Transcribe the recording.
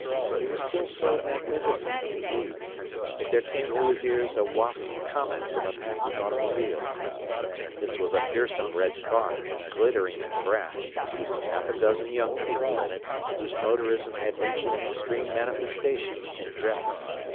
He was still so magnificent, indeed, that there came to his ears a waft of comment from a passing automobile. This was a fearsome red car, glittering in brass, with half a dozen young people in it whose motorism had reached an extreme manifestation in dress.